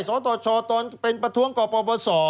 สอต่อชอเป็นประทวงกบสอ